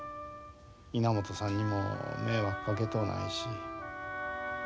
稲本さんにも迷惑かけとうないし。